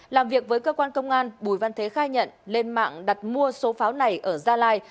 làm việc với cơ quan công an bùi văn thế khai nhận lên mạng đặt mua số pháo này ở gia lai